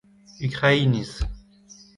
Ukrainiz